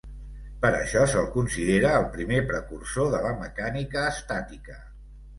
Per això se'l considera el primer precursor de la mecànica estàtica.